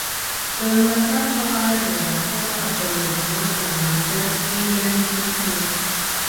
د ملاتړ په اړه د ډاکټر عبدالمحمد درمانګر دوې لنډي ليکني.